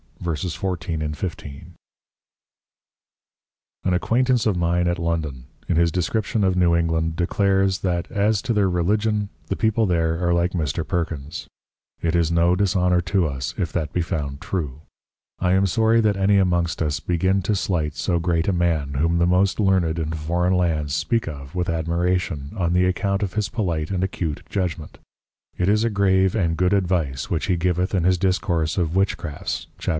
13.14, 15._ An Acquaintance of mine at London, in his description of New England declares, that as to their Religion, the people there are like Mr. Perkins; it is no dishonour to us, if that be found true: I am sorry that any amongst us begin to slight so great a Man, whom the most Learned in Foreign Lands, speak of with Admiration, on the account of his polite and acute Judgment: It is a grave and good Advice which he giveth in his Discourse of Witchcrafts (Chap.